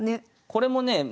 これもね